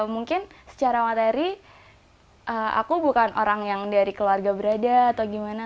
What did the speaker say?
mungkin secara materi aku bukan orang yang dari keluarga berada atau gimana